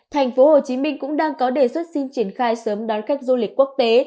thành phố hồ chí minh cũng đang có đề xuất xin triển khai sớm đón khách du lịch quốc tế